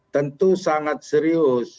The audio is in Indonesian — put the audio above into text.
tentu sangat serius